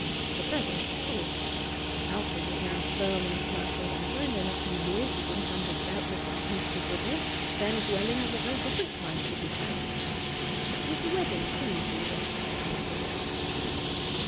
For the present, of course. Alfred was now firm on the commercial ladder, and in a few years his income would doubtless be considerable; then a dwelling of a very different kind could be found. With the wedding, too, she was occupying her thoughts.